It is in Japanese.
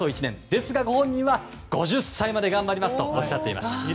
ですがご本人は５０歳まで頑張りますとおっしゃっていました。